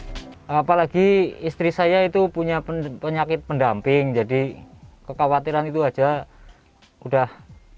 ya apalagi istri saya itu punya penyakit pendamping jadi kekhawatiran itu aja udah